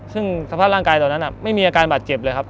ซึ่งสภาพร่างกายตอนนั้นไม่มีอาการบาดเจ็บเลยครับ